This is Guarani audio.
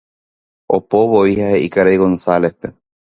Opovoi ha he'i karai González-pe.